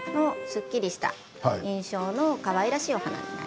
すっきりした印象のかわいらしいお花。